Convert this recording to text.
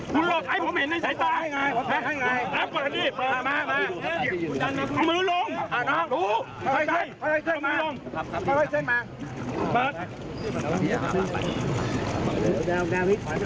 พอไลก์เซ็งมา